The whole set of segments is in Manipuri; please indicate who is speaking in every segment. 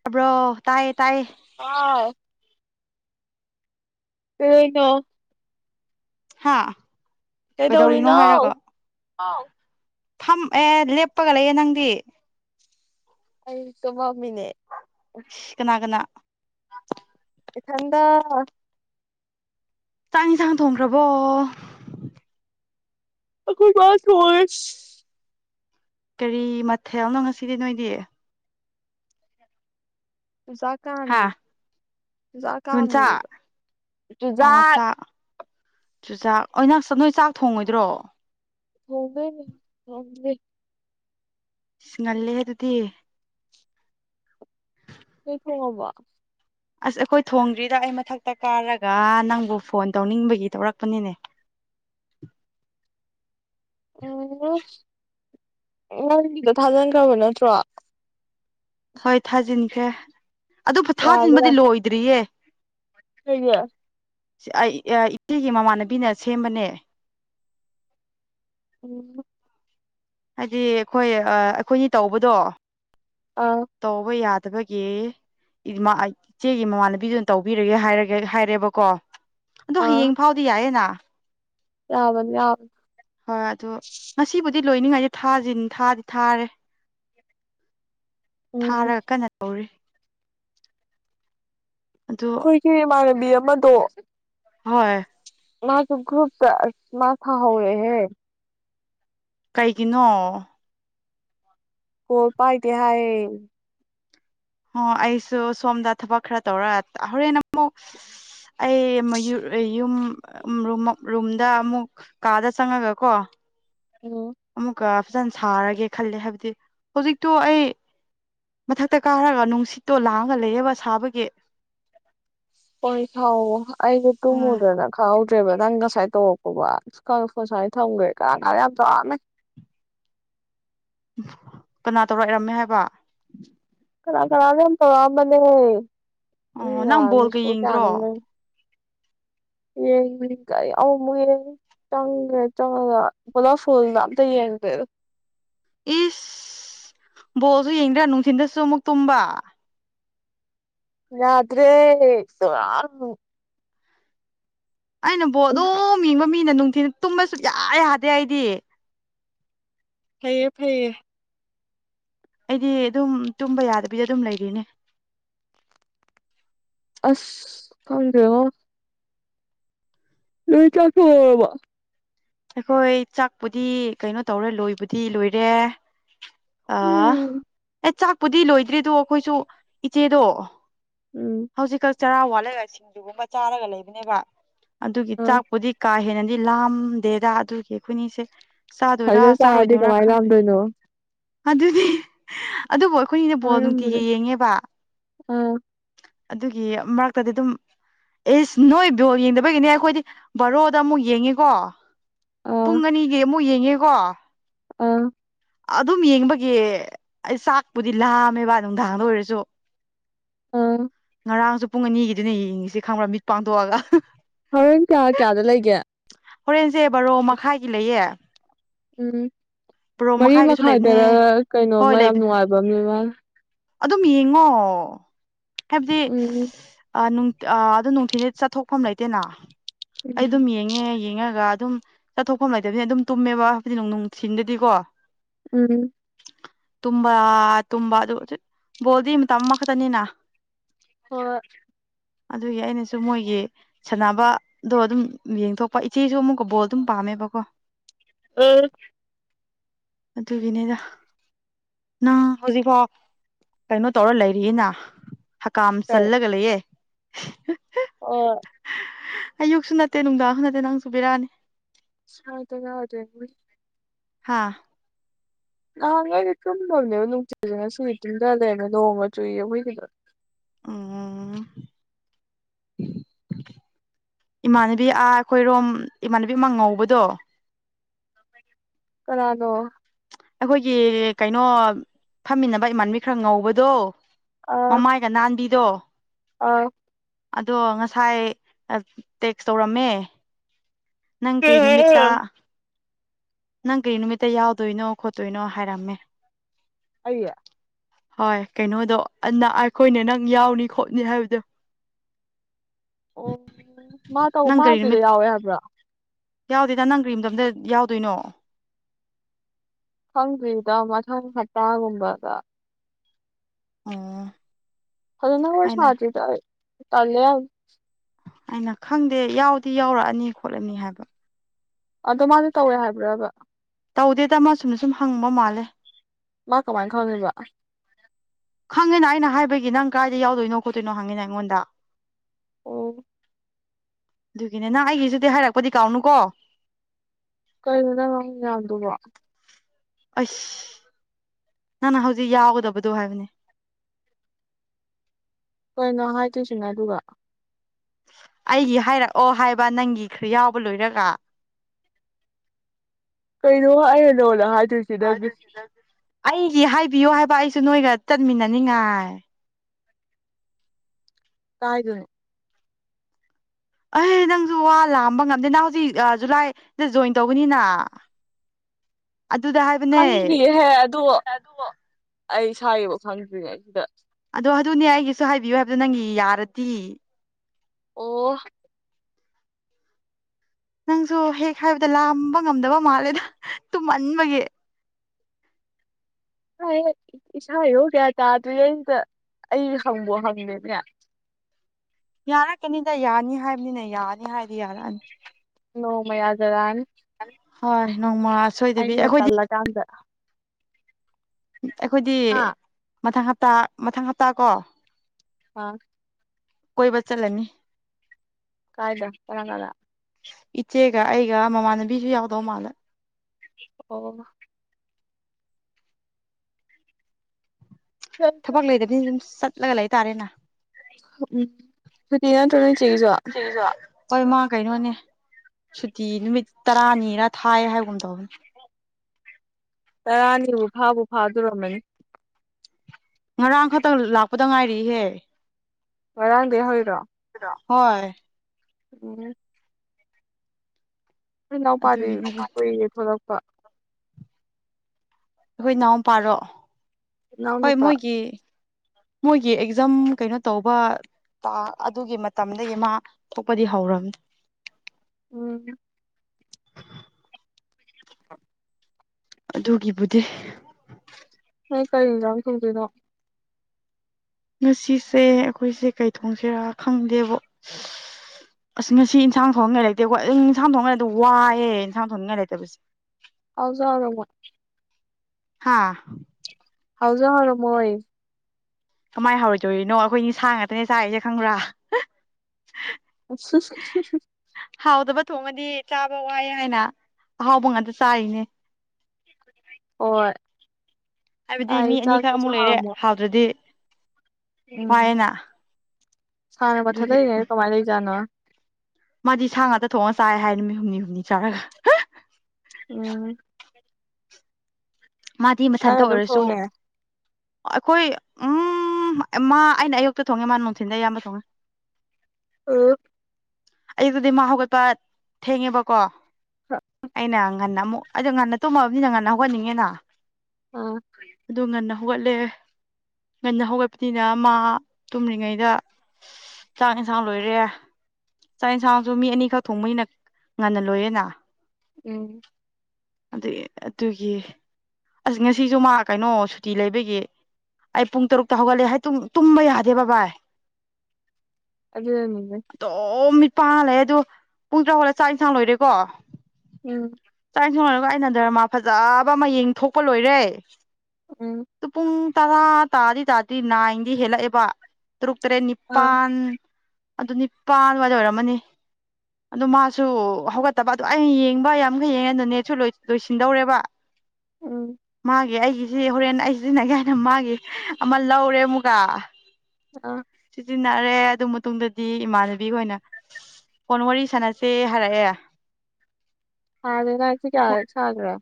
Speaker 1: ꯇꯕ꯭ꯔꯣ ꯇꯥꯏꯌꯦ ꯇꯥꯏꯌꯦ
Speaker 2: ꯍꯥꯎ ꯑꯦꯉ
Speaker 1: ꯍꯥꯥ
Speaker 2: ꯏꯩ ꯇꯧꯔꯤꯅ
Speaker 1: ꯐꯝ ꯑꯦ ꯂꯦꯞꯄꯒ ꯂꯩꯌꯦꯦ ꯅꯪꯗꯤ
Speaker 2: ꯑꯩ ꯇ ꯃꯃꯅꯦ
Speaker 1: ꯀꯅꯥ ꯀꯅꯥ
Speaker 2: ꯏꯈꯟꯗ
Speaker 1: ꯆꯥꯛ ꯌꯦꯟꯁꯥꯡ ꯊꯣꯡꯈ꯭ꯔꯕꯣ
Speaker 2: ꯈꯣꯏ ꯍꯁ
Speaker 1: ꯀꯔꯤ ꯃꯊꯦꯜꯅꯣ ꯉꯁꯤꯗꯤ ꯅꯣꯏꯗꯤꯌꯦ
Speaker 2: ꯇꯖꯥ
Speaker 1: ꯍꯥ
Speaker 2: ꯀꯥꯃꯤ ꯇꯖꯥ ꯀꯥꯃꯤ
Speaker 1: ꯌꯣꯟꯆꯥꯛ
Speaker 2: ꯇꯖꯥ
Speaker 1: ꯑꯣ ꯆꯥꯛ ꯆꯨꯖꯥꯛ ꯑꯣꯏ ꯅꯪꯁ ꯅꯣꯏ ꯆꯥꯛ ꯊꯣꯡꯉꯣꯏꯗ꯭ꯔꯣ
Speaker 2: ꯊꯣꯡꯒꯦ ꯊꯣꯡꯦ
Speaker 1: ꯁꯦ ꯍꯦ ꯑꯗꯨꯗꯤ
Speaker 2: ꯀ ꯊ ꯋꯥ
Speaker 1: ꯑꯁ ꯑꯩꯈꯣꯏ ꯊꯣꯡꯗ꯭ꯔꯤꯗ ꯑꯩ ꯃꯊꯛꯇ ꯀꯥꯔꯒ ꯅꯪꯕꯨ ꯐꯣꯟ ꯇꯧꯅꯤꯡꯕꯒꯤ ꯇꯧꯔꯛꯄꯅꯤꯅꯦ
Speaker 2: [inaudible] ꯎꯝ ꯉꯒꯤꯗ ꯊꯥꯖꯤꯟꯈ꯭ꯔꯕ ꯅꯠꯇ꯭ꯔꯣ
Speaker 1: ꯍꯣꯏ ꯊꯥꯖꯤꯟꯈ꯭ꯔꯦ ꯑꯗꯨ ꯊꯥꯖꯤꯟꯕꯗꯤ ꯂꯣꯏꯗ꯭ꯔꯤꯌꯦ
Speaker 2: ꯁꯤꯉ
Speaker 1: ꯑꯩ ꯏꯆꯦꯒꯤ ꯃꯃꯥꯟꯅꯕꯤꯅ ꯁꯦꯝꯕꯅꯦ
Speaker 2: ꯎꯝ
Speaker 1: ꯍꯥꯏꯗꯤ ꯑꯩꯈꯣꯏ ꯑꯩꯈꯣꯏꯅꯤ ꯇꯧꯕꯗꯣ
Speaker 2: ꯑꯥ
Speaker 1: ꯇꯧꯕ ꯌꯥꯗꯕꯒꯤ ꯏꯆꯦꯒꯤ ꯃꯃꯥꯟꯅꯕꯤꯗꯨꯅ ꯇꯧꯕꯤꯔꯒꯦ ꯍꯥꯏꯔꯒ ꯍꯥꯏꯔꯦꯕꯀꯣ ꯑꯗꯣ ꯍꯌꯦꯡ ꯐꯥꯎꯗꯤ ꯌꯥꯏꯌꯦꯅꯥ
Speaker 2: ꯌꯥꯎꯕꯅꯤ ꯌꯥꯎꯕꯅꯤ
Speaker 1: ꯍꯣꯏ ꯑꯗꯨ ꯉꯁꯤꯕꯨꯗꯤ ꯂꯣꯏꯅꯤꯡꯉꯥꯏꯁꯦ ꯊꯥꯁꯤꯟ ꯊꯥꯗꯤ ꯊꯥꯔꯦ
Speaker 2: [inaudible]
Speaker 1: ꯊꯥꯔꯒ ꯀꯟꯅ ꯇꯧꯔꯤ ꯑꯗꯨ
Speaker 2: ꯑꯩꯈꯣꯏꯒꯤ ꯏꯃꯥꯟꯅꯕꯤ ꯑꯃꯗꯣ
Speaker 1: ꯍꯣꯏ
Speaker 2: ꯃꯥꯁꯨ ꯈ꯭ꯔꯨꯨꯞ ꯆ ꯃꯥꯁ ꯍꯑꯣ ꯍꯦ
Speaker 1: ꯀꯩꯒꯤꯅꯣ
Speaker 2: ꯍꯣ ꯄꯔꯇꯤ ꯍꯥꯏꯌꯦ
Speaker 1: ꯑꯣ ꯑꯩꯁꯨ ꯁꯣꯝꯗ ꯊꯕꯛ ꯈꯔ ꯇꯧꯔ ꯍꯣꯔꯦꯟ ꯅꯨ ꯑꯩ ꯌꯨꯝ ꯔꯨꯝꯗ ꯑꯃꯨꯛ ꯀꯥꯗ ꯆꯪꯉꯒ ꯀꯣ
Speaker 2: ꯎꯝ
Speaker 1: ꯑꯃꯨꯛꯀ ꯐꯖꯅ ꯁꯥꯔꯒꯦ ꯈꯜꯂꯦ ꯍꯥꯏꯕꯗꯤ ꯍꯧꯖꯤꯛꯇꯣ ꯑꯩ ꯃꯊꯛꯇ ꯀꯥꯔꯒ ꯅꯨꯡꯁꯤꯠꯇꯣ ꯂꯥꯡꯒ ꯂꯩꯌꯦꯕ ꯁꯥꯕꯒꯤ
Speaker 2: ꯍꯣꯏ ꯈꯥꯎ ꯑꯩꯒ
Speaker 1: ꯎꯝ
Speaker 2: ꯇꯨꯃꯗꯅ ꯈꯥꯎ ꯭ꯔꯦꯕ ꯅꯪ ꯉꯁꯥꯏ ꯇꯧꯔꯛꯄꯕ ꯁꯨꯃꯥꯏꯅ ꯊꯝꯒ꯭ꯔꯦ ꯀꯥ ꯉꯥꯔ ꯌꯥꯝ ꯆꯥꯃꯦꯩ [inaudible]
Speaker 1: ꯀꯅꯥ ꯇꯧꯔꯛꯏꯔꯝꯃꯦ ꯍꯥꯏꯕ
Speaker 2: ꯀꯅꯥ ꯀꯅꯥꯗ ꯄ ꯃꯅꯦ ꯎ
Speaker 1: ꯑꯣ ꯅꯪ
Speaker 2: ꯌꯥꯔ
Speaker 1: ꯕꯣꯜꯒ
Speaker 2: ꯃꯤꯁꯀꯣ
Speaker 1: ꯌꯦꯡꯗ꯭ꯔꯣ
Speaker 2: ꯀꯌꯥꯅꯗ ꯌꯦ ꯑꯩ ꯑꯧ ꯑꯃꯨꯛ ꯍꯡ ꯆꯪꯒ꯭ꯔꯦ ꯆꯪꯉꯒ ꯒꯣꯂꯥꯞ ꯐꯨꯜꯗ ꯑꯝꯇ ꯌꯦꯡꯗꯦꯗꯣ [unintelligible]
Speaker 1: ꯏꯁ ꯕꯣꯜꯁꯨ ꯌꯦꯡꯗ꯭ꯔꯥ ꯅꯨꯡꯊꯤꯟꯗꯁꯨ ꯑꯃꯨꯛ ꯇꯨꯝꯕ
Speaker 2: ꯌꯥꯗ꯭ꯔꯦ
Speaker 1: ꯑꯩꯅ ꯕꯣꯠ ꯑꯗꯨꯝ ꯃꯤꯡꯕ ꯃꯤꯅ ꯅꯨꯡꯊꯤꯅ ꯇꯨꯝꯕ ꯁꯨꯛꯌꯥ ꯌꯥꯗꯦ ꯑꯩꯗꯤ
Speaker 2: ꯐꯩꯌꯦ ꯐꯩꯌꯦ
Speaker 1: ꯑꯩꯗꯤ ꯑꯗꯨꯝ ꯇꯨꯝꯕ ꯌꯥꯗꯕꯤꯗ ꯑꯗꯨꯝ ꯂꯩꯔꯤꯅꯦ
Speaker 2: ꯑꯁ ꯀꯪꯗꯦꯣ ꯅꯨ ꯆꯁꯨ
Speaker 1: ꯑꯩꯈꯣꯏ ꯆꯥꯛꯄꯨꯗꯤ ꯀꯩꯅꯣ ꯇꯧꯔꯦ ꯂꯣꯏꯕꯨꯗꯤ ꯂꯣꯏꯔꯦ ꯑ
Speaker 2: ꯎꯝ
Speaker 1: ꯑꯦ ꯆꯥꯛꯄꯨꯗꯤ ꯂꯣꯏꯗ꯭ꯔꯤꯗꯣ ꯑꯩꯈꯣꯏꯁꯨ ꯏꯆꯦꯗꯣ
Speaker 2: ꯎꯝ
Speaker 1: ꯍꯧꯖꯤꯛꯀꯛ ꯆꯔꯥ ꯋꯥꯠꯂꯒ ꯁꯤꯡꯗꯨꯒꯨꯝꯕ ꯆꯥꯔꯒ ꯂꯩꯕꯅꯦꯕ ꯑꯗꯨꯒꯤ
Speaker 2: ꯑꯥ
Speaker 1: ꯆꯥꯛꯄꯨꯗꯤ ꯀꯥ ꯍꯦꯟꯅ ꯗꯤ ꯂꯥꯝꯗꯦꯗ ꯑꯗꯨꯒꯤ ꯑꯩꯈꯣꯏꯅꯤꯁꯦ
Speaker 2: ꯍꯧꯖꯤꯛꯇ
Speaker 1: ꯆꯥꯗꯣꯏꯔꯥ
Speaker 2: ꯆꯥꯔꯗꯤ
Speaker 1: ꯆꯥꯔꯣꯏꯗꯣꯏꯔꯥ
Speaker 2: ꯀꯃꯥꯏ
Speaker 1: ꯈꯪꯗꯦ
Speaker 2: ꯂꯥꯝꯗꯣꯏꯅꯣ
Speaker 1: ꯑꯗꯨꯗꯤ ꯑꯗꯨꯕꯨ ꯑꯩꯈꯣꯏꯅꯤꯅ
Speaker 2: ꯑꯥ
Speaker 1: ꯕꯣꯜ
Speaker 2: ꯌꯧꯔꯝꯕꯗ
Speaker 1: ꯅꯨꯡꯇꯤꯒꯤ ꯌꯦꯡꯉꯦꯕ
Speaker 2: ꯑꯥ
Speaker 1: ꯑꯗꯨꯒꯤ ꯃꯔꯛꯇꯗꯤ ꯑꯗꯨꯝ ꯑꯦꯁ ꯅꯣꯏ ꯕꯣ ꯌꯦꯡꯗꯕꯒꯤꯅꯦ ꯑꯩꯈꯣꯏꯗꯤ ꯕꯥꯔꯣꯗ ꯑꯃꯨꯛ ꯌꯦꯡꯉꯦꯀꯣ
Speaker 2: ꯑꯥ
Speaker 1: ꯄꯨꯡ ꯑꯅꯤꯒꯤ ꯑꯃꯨꯛ ꯌꯦꯡꯉꯦꯀꯣ
Speaker 2: ꯑꯥ
Speaker 1: ꯑꯗꯨꯝ ꯌꯦꯡꯕꯒꯤ ꯑꯩ ꯆꯥꯛꯄꯨꯗꯤ ꯂꯥꯑꯝꯃꯦꯕ ꯅꯨꯡꯗꯥꯡꯗ ꯑꯣꯏꯔꯁꯨ
Speaker 2: ꯑꯥ
Speaker 1: ꯉꯔꯥꯡꯁꯨ ꯄꯨꯡ ꯑꯅꯤꯒꯤꯗꯨꯅ ꯌꯦꯡꯉꯁꯤ ꯈꯪꯕ꯭ꯔꯥ ꯃꯤꯠ ꯄꯥꯡꯊꯣꯛꯑꯒ
Speaker 2: ꯍꯣꯔꯦꯟ ꯀꯌꯥ ꯀꯌꯥꯗ ꯂꯩꯒꯦ
Speaker 1: ꯁꯦ ꯕꯔꯣ ꯃꯈꯥꯏꯒꯤ ꯂꯩꯌꯦ
Speaker 2: ꯎꯝ
Speaker 1: ꯕꯥꯔꯣ
Speaker 2: ꯃꯔꯤ
Speaker 1: ꯃꯈꯥꯏꯒꯤꯁꯨ
Speaker 2: ꯃꯈꯥꯏꯗ
Speaker 1: ꯂꯩꯕꯅꯦ ꯍꯣꯏ
Speaker 2: ꯀꯩꯅꯣꯝꯃ ꯌꯥꯝ
Speaker 1: ꯂꯩꯕꯅꯦ
Speaker 2: ꯅꯨꯡꯉꯥꯏꯕ ꯑꯃꯅꯦ ꯃꯥ
Speaker 1: ꯑꯗꯨꯝ ꯌꯦꯡꯉꯣ ꯍꯥꯏꯕꯗꯤ
Speaker 2: ꯎꯝ
Speaker 1: ꯑꯗꯨ ꯅꯨꯡꯊꯤꯅꯦ ꯆꯠꯊꯣꯛꯐꯝ ꯂꯩꯇꯦꯅ ꯑꯩ ꯑꯗꯨꯝ ꯌꯦꯡꯉꯦ ꯌꯦꯡꯉꯒ ꯑꯗꯨꯝ ꯆꯠꯊꯣꯛꯐꯝ ꯂꯩꯇꯕꯅꯤ ꯑꯗꯨꯝ ꯇꯨꯝꯃꯦꯕ ꯍꯥꯏꯕꯗꯤ ꯅꯨꯡ ꯅꯨꯡꯊꯤꯟꯗꯗꯤꯀꯣ
Speaker 2: ꯎꯝ
Speaker 1: ꯇꯨꯝꯕ ꯇꯨꯝꯕ ꯑꯗꯨ ꯕꯣꯗꯤ ꯃꯇꯝ ꯑꯃ ꯈꯛꯇꯅꯤꯅ
Speaker 2: ꯍ
Speaker 1: ꯑꯗꯨꯒꯤ ꯑꯩꯅꯁꯨ ꯃꯣꯏꯒꯤ ꯁꯥꯟꯅꯕꯗꯣ ꯑꯗꯨꯝ ꯌꯦꯡꯊꯣꯛ ꯏꯆꯦꯁꯨ ꯑꯃꯨꯛꯀ ꯕꯣꯜ ꯑꯗꯨꯝ ꯄꯥꯝꯃꯦꯕꯀꯣ
Speaker 2: ꯎꯝ
Speaker 1: ꯑꯗꯨ ꯅꯦꯗ ꯅꯪ ꯍꯧꯖꯤꯛꯐꯥꯎ ꯀꯩꯅꯣ ꯇꯧꯔ ꯂꯩꯔꯤꯌꯦꯅ ꯍ
Speaker 2: ꯀꯩ
Speaker 1: ꯀꯥꯝꯁꯜꯂꯒꯂꯌꯦꯦ
Speaker 2: ꯑꯣ
Speaker 1: ꯑꯌꯨꯛꯁꯨ ꯅꯠꯇꯦ ꯅꯨꯡꯗꯥꯡꯁꯨ ꯅꯠꯇꯦ ꯅꯪꯁꯨꯨꯕꯤꯔꯛꯑꯅꯤ
Speaker 2: ꯍꯗ ꯌꯥꯗꯦ
Speaker 1: ꯍꯥꯥ
Speaker 2: ꯅꯍꯥꯟꯈ ꯑꯩꯩꯅ ꯆꯨꯝꯗꯕꯅꯦꯕ ꯅꯨꯡꯇꯤꯁꯤꯅ ꯁꯨꯗꯤ ꯇꯨꯝꯊꯂꯦꯅ ꯅꯣꯡꯉ ꯆꯨꯏꯌꯦ ꯑꯩꯈꯣꯏꯒꯤꯗꯣ
Speaker 1: ꯎꯝ
Speaker 2: [inaudible]
Speaker 1: ꯏꯃꯥꯟꯅꯕꯤ ꯑꯥ ꯑꯩꯈꯣꯏꯔꯣꯝ ꯏꯃꯥꯟꯅꯕꯤ ꯑꯃ ꯉꯧꯕꯗꯣ
Speaker 2: ꯀꯅꯥꯗꯣ
Speaker 1: ꯑꯩꯈꯣꯏꯒꯤ ꯀꯩꯅꯣ ꯐꯝꯃꯤꯟꯅꯕ ꯏꯃꯥꯟꯕꯤ ꯈꯔ ꯉꯧꯕꯗꯣ
Speaker 2: ꯑꯥ
Speaker 1: ꯃꯃꯥꯏꯒ ꯅꯥꯥꯟꯕꯤꯗꯣ
Speaker 2: ꯑꯥ
Speaker 1: ꯑꯗꯣ ꯉꯁꯥꯏ ꯇꯦꯛꯁ ꯇꯧꯔꯝꯃꯦ ꯅꯪ ꯀꯔꯤ ꯅꯨꯃꯤꯠꯇ ꯅꯪ ꯀꯩ ꯅꯨꯃꯤꯠꯇ ꯌꯥꯎꯗꯣꯏꯅꯣ ꯈꯣꯠꯇꯣꯏꯅꯣ ꯍꯥꯏꯔꯝꯃꯦ
Speaker 2: ꯑꯌꯥ
Speaker 1: ꯍꯣꯏ ꯀꯩꯅꯣꯗꯣ ꯑꯩꯈꯣꯏꯅꯦ ꯅꯪ ꯌꯥꯎꯅꯤ ꯈꯣꯠꯅꯤ ꯍꯥꯏꯕꯗꯣ
Speaker 2: ꯎ ꯃꯥ ꯇꯧ
Speaker 1: ꯅꯪ
Speaker 2: ꯃꯥ
Speaker 1: ꯀꯔꯤ
Speaker 2: ꯑꯗꯨꯗ
Speaker 1: ꯅꯨꯃꯤꯠ
Speaker 2: ꯌꯥꯎꯋꯦ ꯍꯥꯏꯕ꯭ꯔꯥ
Speaker 1: ꯌꯥꯎꯗꯦꯗ ꯅꯪ ꯀꯔꯤꯝꯗꯝꯗ ꯌꯥꯎꯗꯣꯏꯅꯣ
Speaker 2: ꯍꯪꯗ꯭ꯔꯤꯗ ꯃꯊꯪ ꯍꯞꯇꯥꯒꯨꯝꯕꯗ
Speaker 1: ꯑꯥ
Speaker 2: ꯍꯧꯖꯤꯅ ꯍꯣꯏ ꯁꯥꯥꯇꯤ ꯆ ꯆꯦ
Speaker 1: ꯑꯩꯅ ꯈꯪꯗꯦ ꯌꯥꯎꯗꯤ ꯌꯥꯎꯔꯛꯑꯅꯤ ꯈꯣꯠꯂꯅꯤ ꯍꯥꯏꯕ
Speaker 2: ꯑꯗ ꯃꯥꯗꯤ ꯇꯧꯋꯦ ꯍꯥꯏꯕ꯭ꯔꯥꯕ
Speaker 1: ꯇꯧꯗꯦꯗ ꯑꯃ ꯁꯨꯝꯅ ꯁꯨꯝ ꯍꯪꯕ ꯃꯥꯜꯂꯦ
Speaker 2: ꯃꯥ ꯀꯃꯥꯏꯅ ꯈꯪꯉꯕ
Speaker 1: ꯈꯪꯉꯤꯅ ꯑꯩꯅ ꯍꯥꯏꯕꯒꯤ ꯅꯪ ꯀꯗꯥꯏꯗ ꯌꯥꯎꯗꯣꯏꯅꯣ ꯈꯣꯠꯇꯣꯏꯅꯣ ꯍꯪꯉꯤꯅ ꯑꯩꯉꯣꯟꯗ
Speaker 2: ꯑꯣ
Speaker 1: ꯑꯗꯨꯒꯤꯅꯦ ꯅꯪ ꯑꯩꯒꯤꯁꯨꯗꯤ ꯍꯥꯏꯔꯛꯄꯗꯤ ꯀꯥꯎꯅꯨꯀꯣ
Speaker 2: ꯀꯔꯤꯅꯣ ꯅꯪ ꯅꯪ ꯌꯥꯗꯕ
Speaker 1: ꯑꯁ ꯅꯪ ꯅ ꯍꯧꯖꯤꯛ ꯌꯥꯎꯒꯗꯕꯗꯣ ꯍꯥꯏꯕꯅꯦ
Speaker 2: [inaudible] ꯀꯣꯏꯩꯅꯣ ꯍꯥꯏꯗꯣꯏꯁꯤꯅ ꯑꯗꯨꯒ
Speaker 1: ꯑꯩꯒꯤ ꯍꯥꯏꯔꯛꯑꯣ ꯍꯥꯏꯕ ꯅꯪꯒꯤ ꯈꯔ ꯌꯥꯎꯕ ꯂꯣꯏꯔꯒ
Speaker 2: ꯀꯩꯅꯣ ꯍꯥꯏꯂꯣꯂ ꯍꯥꯏ
Speaker 1: ꯑꯩꯒꯤ ꯍꯥꯏꯕꯤꯌꯣ ꯍꯥꯏꯕ ꯑꯩꯁꯨ ꯅꯣꯏꯒ ꯆꯠꯃꯤꯟꯅꯅꯤꯡꯉꯥꯏ
Speaker 2: ꯀꯥꯏꯖꯔꯦ
Speaker 1: ꯑꯩ ꯅꯪꯁꯨ ꯋꯥ ꯂꯥꯝꯕ ꯉꯝꯗꯦ ꯅ ꯍꯧꯖꯤꯛ ꯖꯨꯂꯥꯏꯗ ꯖꯣꯏꯟ ꯇꯧꯕꯅꯤꯅ
Speaker 2: [inaudible] ꯈꯪꯗ꯭ꯔꯤꯌꯦꯍꯦ ꯑꯗꯣ ꯑꯩ ꯏꯁꯒꯤꯕ ꯈꯪꯗ꯭ꯔꯤꯉꯩ ꯁꯤꯗ
Speaker 1: ꯑꯗꯣ ꯑꯗꯨꯅꯦ ꯑꯩꯒꯤꯁꯨ ꯍꯥꯏꯕꯤꯌꯨ ꯍꯥꯏꯕꯗꯣ ꯅꯪꯒꯤ ꯌꯥꯔꯗꯤ
Speaker 2: ꯑꯣ
Speaker 1: ꯅꯪꯁꯨ ꯍꯦꯛ ꯍꯥꯏꯕꯗ ꯂꯥꯝꯕ ꯉꯝꯗꯕ ꯃꯥꯜꯂꯦꯗ ꯇꯨꯝꯍꯟꯕꯒꯤ
Speaker 2: ꯍ ꯏꯁꯥ ꯍꯒꯌꯥ ꯇꯥ ꯇꯨ ꯌꯦꯟ ꯑꯩ ꯍꯪꯕꯣ ꯍꯪꯉꯦꯅꯦ
Speaker 1: ꯌꯥꯔꯛꯀꯅꯤꯗ ꯌꯥꯅꯤ ꯍꯥꯏꯕꯅꯤꯅ ꯌꯥꯔꯅꯤ ꯍꯥꯏꯗꯤ ꯌꯥꯔꯛꯑꯅꯤꯪ
Speaker 2: ꯅꯣꯡꯃꯩ ꯌꯥꯖꯔꯥꯟ
Speaker 1: ꯍꯣꯏ ꯅꯣꯡꯃꯥ ꯁꯣꯏꯗꯕꯤ
Speaker 2: ꯑꯩꯅ
Speaker 1: ꯑꯩꯈꯣꯏꯗꯤ
Speaker 2: ꯇꯜꯂꯀꯥꯟꯗ
Speaker 1: ꯑꯩꯈꯣꯏꯗꯤ
Speaker 2: ꯍꯥ
Speaker 1: ꯃꯊꯪ ꯍꯞꯇꯥ ꯃꯊꯪ ꯍꯞꯇꯥ ꯀꯣ
Speaker 2: ꯑ
Speaker 1: ꯀꯣꯏꯕ ꯆꯠꯂꯅꯤ
Speaker 2: ꯀꯥꯏꯗ ꯇꯅꯥꯒꯗ
Speaker 1: ꯏꯆꯦꯒ ꯑꯩꯒ ꯃꯃꯥꯟꯅꯕꯤꯁꯨ ꯌꯥꯎꯗꯧ ꯃꯥꯜꯂꯦ
Speaker 2: ꯑꯣ
Speaker 1: ꯊꯕꯛ ꯂꯩꯗꯕꯤꯅꯤꯅ ꯑꯗꯨꯝ ꯆꯠꯂꯒ ꯂꯩꯇꯥꯥꯔꯦꯅ
Speaker 2: ꯎꯝ ꯑꯗꯨ ꯊꯤꯅ ꯇꯧ ꯆꯖ ꯋꯥ
Speaker 1: ꯁꯤꯁꯨ ꯍꯣꯏ ꯃꯥ ꯀꯩꯅꯣꯅꯦ ꯁꯨꯇꯤ ꯅꯨꯃꯤꯠ ꯇꯔꯥꯅꯤꯔꯥ ꯊꯥꯏ ꯍꯥꯏꯕꯒꯨꯝ ꯇꯧꯕꯅꯤ
Speaker 2: ꯇꯔꯥꯅꯤꯕꯨ ꯐꯥꯕꯨ ꯐꯥꯗꯨꯣꯔꯝꯃꯅꯤ
Speaker 1: ꯉꯔꯥꯡ ꯈꯛꯇꯪ ꯂꯥꯛꯄꯗ ꯉꯥꯏꯔꯤꯍꯦ
Speaker 2: ꯋꯥꯔꯥꯡꯗꯦ ꯍꯧꯣꯏꯔꯣ
Speaker 1: ꯍꯣꯏ
Speaker 2: ꯎꯝ ꯑꯩꯈ ꯏꯅꯥꯎꯄꯥꯗꯤ
Speaker 1: ꯑꯗꯨꯒꯤꯅꯦ
Speaker 2: ꯀꯨꯏꯔꯦ ꯊꯣꯛꯂꯛꯄ
Speaker 1: ꯑꯩꯈꯣꯏ ꯅꯅꯥꯎ ꯄꯥꯔꯣ ꯍꯣꯏ
Speaker 2: ꯏꯅꯥꯎꯅꯨꯄꯥ
Speaker 1: ꯃꯣꯏꯒꯤ ꯃꯣꯏꯒꯤ ꯑꯦꯛꯖꯥꯝ ꯀꯩꯅꯣ ꯇꯧꯕ ꯑꯗꯨꯒꯤ ꯃꯇꯝꯗꯒꯤ ꯃꯥ ꯊꯣꯛꯄꯗꯤ ꯍꯧꯔꯝꯅꯤ
Speaker 2: ꯑꯣꯝ [unintelligible] [inaudible]
Speaker 1: ꯑꯗꯨꯒꯤꯕꯨꯗꯤ
Speaker 2: ꯅꯣꯏ ꯀꯔꯤ ꯏꯟꯖꯥꯡ ꯊꯣꯡꯗꯣꯏꯅꯣ
Speaker 1: ꯉꯁꯤꯁꯦ ꯑꯩꯈꯣꯏꯁꯦ ꯀꯩ ꯊꯣꯡꯁꯦꯔꯥ ꯈꯪꯗꯦꯕ ꯑꯁ ꯉꯁꯤ ꯏꯟꯁꯥꯡ ꯊꯣꯡꯅꯤꯡꯉꯥꯏ ꯂꯩꯇꯦꯀꯪ ꯏꯟꯁꯥꯡ ꯊꯣꯡꯅꯅꯤꯡꯉꯥꯏꯗ ꯋꯥꯏꯑꯦ ꯏꯟꯁꯥꯡ ꯊꯣꯡꯅꯤꯡꯉꯥꯏ ꯂꯩꯇꯕꯁꯦ
Speaker 2: ꯍꯧꯥꯎꯖꯣꯗ
Speaker 1: ꯍꯥꯥ
Speaker 2: ꯍꯥꯎꯖ ꯍ ꯃꯣꯏ
Speaker 1: ꯀꯃꯥꯏꯅ ꯍꯧꯔꯣꯏꯗꯣꯔꯤꯅꯣ ꯑꯩꯈꯣꯏꯅꯤ ꯁꯥꯡ ꯉꯥꯛꯇꯅꯦ ꯆꯥꯏꯔꯤꯁꯦ ꯈꯪꯕ꯭ꯔꯥ
Speaker 2: ꯑ
Speaker 1: ꯍꯥꯎꯗꯕ ꯊꯣꯡꯉꯗꯤ ꯆꯥꯕ ꯋꯥꯏ ꯍꯥꯏꯅ ꯑꯍꯥꯎꯕ ꯉꯥꯛꯇ ꯆꯥꯔꯤꯅꯦ
Speaker 2: ꯍ
Speaker 1: ꯍꯥꯏꯕꯗꯤ ꯃꯤ ꯑꯅꯤꯈꯛ ꯑꯃꯨꯛ ꯂꯩꯔꯦ ꯍꯥꯎꯗ꯭ꯔꯗꯤ ꯋꯥꯏꯑꯦꯅ
Speaker 2: ꯁꯅ ꯀꯊ
Speaker 1: ꯑꯗꯨꯒꯤ
Speaker 2: ꯂꯩ ꯌꯥ ꯀꯃꯥꯏ ꯂꯩ ꯆꯅꯣ
Speaker 1: ꯃꯥꯗꯤ ꯁꯥ ꯉꯥꯛꯇ ꯊꯣꯡꯉꯒ ꯆꯥꯏ ꯍꯥꯏ ꯅꯨꯃꯤꯠ ꯍꯨꯝꯅꯤ ꯍꯨꯝꯅꯤ ꯆꯥꯔꯒ
Speaker 2: ꯎꯝ
Speaker 1: ꯃꯥꯗꯤ
Speaker 2: ꯅꯪ
Speaker 1: ꯃꯊꯟꯇ
Speaker 2: ꯑꯗꯨꯝ
Speaker 1: ꯑꯣꯏꯔꯁꯨ
Speaker 2: ꯊꯣꯡꯉꯦ
Speaker 1: ꯑꯩꯈꯣꯏ ꯎꯝ ꯃꯥ ꯑꯩꯅ ꯑꯌꯨꯛꯇ ꯊꯣꯡꯉꯦ ꯃꯥ ꯅꯨꯡꯊꯤꯟꯜꯗ ꯑꯌꯥꯝꯕ ꯊꯣꯡꯉꯦ
Speaker 2: ꯑꯣ
Speaker 1: ꯑꯌꯨꯛꯇꯗꯤ ꯃꯥ ꯍꯧꯒꯠꯄ ꯊꯦꯡꯉꯦꯕꯀꯣ ꯑꯩꯅ ꯉꯟꯅ ꯑꯃꯨꯛ ꯑꯣ ꯉꯟꯅ ꯇꯨꯝꯃꯕꯅꯤꯅ ꯉꯟꯅ ꯍꯧꯒꯟꯅꯤꯡꯉꯦꯅ
Speaker 2: ꯑꯥ
Speaker 1: ꯑꯗꯨ ꯉꯟꯅ ꯍꯧꯒꯠꯂꯦ ꯉꯟꯅ ꯍꯧꯒꯠꯄꯅꯤꯅ ꯃꯥ ꯇꯨꯝꯔꯤꯉꯩꯗ ꯆꯥꯡ ꯏꯟꯁꯥꯡ ꯂꯣꯏꯔꯦ ꯆꯥꯛ ꯌꯦꯟꯁꯥꯡꯁꯨ ꯃꯤ ꯑꯅꯤꯈꯛ ꯊꯣꯡꯕꯩꯅ ꯉꯍꯜ ꯂꯣꯏꯌꯦꯦꯅ
Speaker 2: ꯎꯝ
Speaker 1: ꯑꯗꯨ ꯑꯗꯨꯒꯤ ꯑꯁ ꯉꯁꯤꯁꯨ ꯃꯥ ꯀꯩꯅꯣ ꯁꯨꯇꯤ ꯂꯩꯕꯒꯤ ꯑꯩ ꯄꯨꯡ ꯇꯔꯨꯛꯇ ꯍꯧꯒꯠꯂꯦ ꯍꯥꯏ ꯇꯨꯝꯕ ꯌꯥꯗꯦ ꯕꯕꯥꯏ
Speaker 2: ꯑꯗꯨꯗ ꯅꯅꯤꯒ
Speaker 1: ꯑꯣ ꯃꯤꯠ ꯄꯥ ꯍꯜꯂꯦ ꯑꯗꯣ ꯄꯨꯡ ꯇꯔꯥꯈꯣꯠꯂ ꯆꯥꯛ ꯏꯟꯁꯥꯡ ꯂꯣꯏꯔꯦꯀꯣ
Speaker 2: ꯎꯝ
Speaker 1: ꯆꯥꯛ ꯁꯣꯡꯉꯔꯒ ꯑꯩꯅ ꯗꯔꯃꯥ ꯐꯖꯕ ꯃꯌꯦꯡ ꯊꯣꯛꯄ ꯂꯣꯏꯔꯦ
Speaker 2: ꯎꯝ
Speaker 1: ꯄꯨꯡ ꯇꯔꯥ ꯇꯥꯗꯤ ꯇꯥꯗꯗꯤ ꯅꯥꯏꯟꯗꯤ ꯍꯦꯜꯂꯛꯑꯦꯕ ꯇꯔꯛꯇꯔꯦ
Speaker 2: ꯑꯥ
Speaker 1: ꯅꯤꯄꯥꯟ ꯑꯗꯨ ꯅꯤꯄꯥꯟ ꯑꯗꯨꯋꯥꯏꯗ ꯑꯣꯏꯔꯝꯃꯅꯤ ꯑꯗꯨ ꯃꯥꯁꯨ ꯍꯧꯒꯠꯇꯕ ꯑꯗꯨ ꯑꯩꯅ ꯌꯦꯡꯕ ꯌꯥꯝ ꯌꯦꯡꯉꯗ ꯅ ꯂꯣꯏꯁꯤꯟꯗꯧꯔꯦꯕ
Speaker 2: ꯎꯝ
Speaker 1: ꯃꯥꯒꯤ ꯑꯩꯒꯤ ꯁꯤ ꯍꯣꯔꯦꯟ ꯑꯩ ꯁꯤꯖꯤꯟꯅꯒꯦ ꯍꯥꯏꯅ ꯃꯥꯒꯤ ꯑꯃ ꯂꯧꯔꯦ ꯑꯃꯨꯒꯥ
Speaker 2: ꯑꯥ
Speaker 1: ꯁꯤꯖꯤꯅꯥꯔ ꯑꯗꯨ ꯃꯇꯨꯡꯗꯗꯤ ꯏꯃꯥꯟꯅꯕꯤ ꯍꯣꯏꯅ ꯐꯣꯟ ꯋꯥꯔꯤ ꯁꯥꯟꯅꯁꯦ ꯍꯥꯏꯔꯛꯑꯦ
Speaker 2: ꯍꯗ ꯉꯁꯤ
Speaker 1: ꯍꯣ
Speaker 2: ꯀꯌꯥ ꯁꯥꯒ꯭ꯔ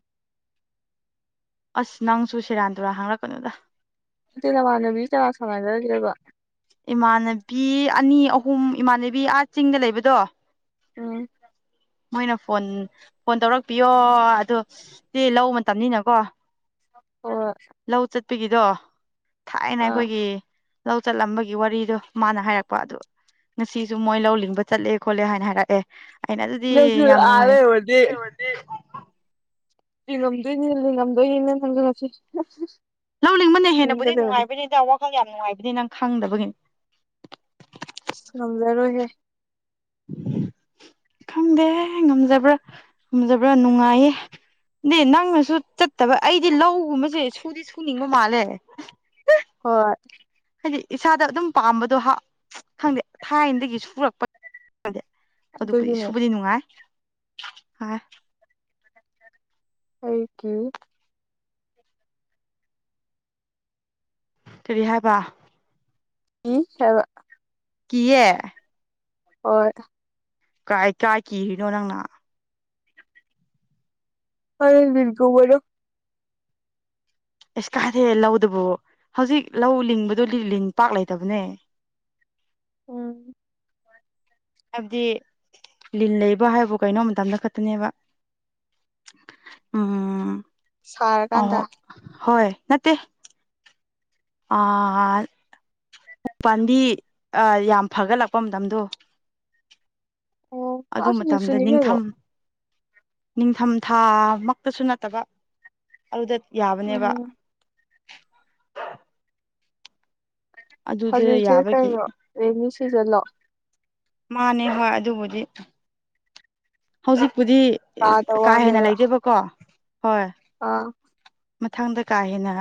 Speaker 1: ꯑꯁ ꯅꯪꯁꯨ ꯁꯦꯔꯥꯟ ꯇꯨꯔꯥ ꯍꯥꯡꯔꯛꯀꯅꯨꯗ
Speaker 2: ꯑ ꯅꯃꯥꯟꯅꯨꯕꯤ ꯆꯔꯥꯛ ꯁꯃꯥꯏꯅꯔꯗ꯭ꯔꯦꯕꯣ
Speaker 1: ꯏꯃꯥꯟꯅꯕꯤ ꯑꯅꯤ ꯑꯍꯨꯝ ꯏꯃꯥꯟꯅꯕꯤ ꯑꯥ ꯆꯤꯡꯗ ꯂꯩꯕꯗꯣ
Speaker 2: ꯎꯝ
Speaker 1: ꯃꯣꯏꯅ ꯐꯣꯟ ꯐꯣꯟ ꯇꯧꯔꯛꯄꯤꯌꯣ ꯑꯗꯨꯣ ꯏ ꯂ ꯃꯇꯝꯅꯤꯅꯀꯣ
Speaker 2: ꯍꯣꯏ
Speaker 1: ꯂꯧ ꯆꯠꯄꯒꯤꯗꯣ ꯊꯥꯏꯅ
Speaker 2: ꯑꯥ
Speaker 1: ꯑꯩꯈꯣꯏꯒꯤ ꯂꯧ ꯆꯠꯂꯝꯕꯒꯤ ꯒꯤ ꯋꯥꯔꯤꯗꯣ ꯃꯥꯅ ꯍꯥꯏꯔꯛꯄ ꯑꯗꯨꯣ ꯉꯁꯤꯁꯨ ꯃꯣꯏ ꯂꯧ ꯂꯤꯡꯕ ꯆꯠꯂꯦ ꯈꯣꯠꯂꯦ ꯍꯥꯏꯅ ꯍꯥꯏꯔꯛꯑꯦ ꯑꯩꯅ ꯑꯗꯨꯗꯤ
Speaker 2: ꯅꯪꯁꯨ
Speaker 1: ꯌꯥꯝ
Speaker 2: ꯑꯥ
Speaker 1: ꯅꯨꯡꯉꯥꯏ
Speaker 2: ꯂꯩꯔꯨꯔꯗꯤ ꯏ ꯉꯝꯗꯣꯏꯅꯤꯅꯤ ꯉꯝꯗꯣꯏꯅꯤꯅꯦ ꯅꯪ ꯈꯂꯁꯤ
Speaker 1: ꯂꯧꯅꯤꯡꯕꯅ ꯍꯦꯟꯅꯕꯨꯗꯤ ꯅꯨꯡꯉꯥꯏꯕꯅꯤꯗ ꯋꯥꯈꯜ ꯌꯥꯝ ꯅꯨꯡꯉꯥꯏꯕꯅꯤ ꯅꯪ ꯈꯪꯗꯕꯒꯤꯅꯤ
Speaker 2: ꯁꯝꯖꯔꯣꯏꯍꯦ
Speaker 1: ꯈꯪꯗꯦ ꯉꯝꯖꯕ꯭ꯔꯥ ꯉꯝꯖꯕ꯭ꯔꯥ ꯅꯨꯡꯉꯥꯏꯌꯦ ꯅ ꯅꯪꯅꯁꯨ ꯆꯠꯇꯕ ꯑꯩꯗꯤ ꯂꯧꯒꯨꯝꯕꯁꯦ ꯁꯨꯗꯤ ꯁꯨꯅꯤꯡꯕ ꯃꯥꯜꯂꯦ
Speaker 2: ꯍꯣꯏ
Speaker 1: ꯍꯥꯏꯗꯤ ꯏꯁꯥꯗ ꯑꯗꯨꯝ ꯄꯥꯝꯕꯗꯣ ꯍꯥ ꯈꯪꯗꯦ ꯊꯥꯏꯅꯗꯒꯤ ꯁꯨꯔꯛꯄ ꯑꯗꯨꯕꯨꯗꯤ
Speaker 2: ꯑꯗꯨꯒꯤꯅꯦ
Speaker 1: ꯁꯨꯕꯗꯤ ꯅꯨꯡꯉꯥꯏ ꯍꯥꯏ
Speaker 2: ꯑꯩ ꯀꯦ
Speaker 1: ꯀꯔꯤ ꯍꯥꯏꯕ
Speaker 2: ꯍ ꯁꯕ
Speaker 1: ꯀ ꯑꯦ
Speaker 2: ꯑꯣ
Speaker 1: ꯀꯥꯏ ꯀꯥꯏ ꯀꯤꯔꯤꯅꯣ ꯅꯪꯅ
Speaker 2: ꯑ ꯔꯒꯨꯣ
Speaker 1: ꯑꯦꯁ ꯀꯥꯗꯦ ꯂꯧꯗꯨꯕꯨ ꯍꯧꯖꯤꯛ ꯂꯧ ꯂꯤꯡꯕꯗꯣ ꯂꯤꯡ ꯄꯥꯛ ꯂꯩꯇꯕꯅꯦ
Speaker 2: ꯎꯝ
Speaker 1: ꯍꯥꯏꯕꯗꯤ ꯂꯤꯟ ꯂꯩꯕ ꯍꯥꯏꯕꯨ ꯀꯩꯅꯣ ꯃꯇꯝꯗ ꯈꯛꯇꯅꯦꯕ ꯎꯝ ꯑ
Speaker 2: ꯁꯥꯔꯀꯥꯟꯗ
Speaker 1: ꯍꯣꯏ ꯅꯠꯇꯦ ꯑ ꯎ ꯄꯥꯟꯗꯤ ꯌꯥꯝ ꯐꯒꯠꯂꯛꯄ ꯃꯇꯝꯗꯣ
Speaker 2: ꯑꯣ
Speaker 1: ꯑꯗꯨ
Speaker 2: ꯑꯁ
Speaker 1: ꯃꯇꯝꯗ
Speaker 2: ꯍꯧꯖꯤꯛꯁꯨꯅꯤ ꯀꯩꯅꯣ
Speaker 1: ꯅꯤꯡꯊꯝ ꯅꯤꯡꯊꯝꯊꯥ ꯃꯛꯇꯁꯨ ꯅꯠꯇꯕ ꯑꯗꯨꯗ
Speaker 2: ꯎꯝ
Speaker 1: ꯌꯥꯕꯅꯦꯕ ꯑꯗꯨꯗ
Speaker 2: ꯍꯧꯖꯤꯛꯁꯦ
Speaker 1: ꯌꯥꯕꯒꯤ
Speaker 2: ꯀꯩꯅꯣ ꯔꯦꯅꯤ ꯁꯤꯖꯟꯂꯣ
Speaker 1: ꯃꯥꯅꯦ ꯍꯣꯏ ꯑꯗꯨꯕꯨꯗꯤ ꯍꯧꯖꯤꯛꯄꯨꯗꯤ
Speaker 2: ꯇꯥꯗ
Speaker 1: ꯀꯥ ꯍꯦꯟꯅ
Speaker 2: ꯋꯥꯅꯦꯕ
Speaker 1: ꯂꯩꯇꯦꯕꯀꯣ ꯍꯣꯏ
Speaker 2: ꯑꯥ
Speaker 1: ꯃꯊꯪꯗ ꯀꯥ ꯍꯦꯟꯅ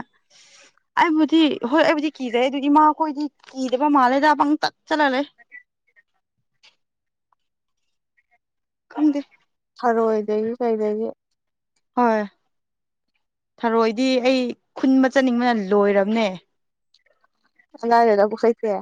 Speaker 1: ꯑꯩꯕꯨꯗꯤ ꯍꯣꯏ ꯑꯩꯕꯨꯗꯤ ꯀꯤꯖꯩ ꯑꯗꯨꯗꯤ ꯃꯥꯈꯣꯏꯗꯤ ꯀꯤꯗꯕ ꯃꯥꯜꯂꯦꯗ ꯄꯪ ꯇꯠ ꯆꯠꯂꯂꯦ
Speaker 2: [inaudible]
Speaker 1: ꯀꯝꯗ
Speaker 2: ꯑꯔꯣꯏꯗꯒꯤ ꯀꯩꯗꯒꯤ
Speaker 1: ꯍꯣꯏ ꯊꯔꯣꯏꯗꯤ ꯑꯩ ꯈꯨꯟꯕ ꯆꯠꯅꯤꯡꯕꯅ ꯂꯣꯏꯔꯕꯅꯦ
Speaker 2: ꯑꯗꯒꯕꯨ ꯀꯩꯁꯦ